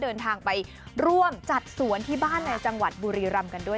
เดินทางไปร่วมจัดสวนที่บ้านในจังหวัดบุรีรำกันด้วย